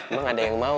emang ada yang mau